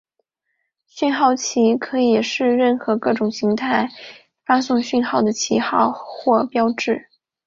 讯号旗可以是任何各种用来发送讯号的旗号或标志。